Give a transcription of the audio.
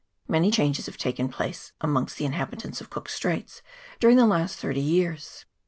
Many changes have taken place amongst the in habitants of Cook's Straits during the last thirty years.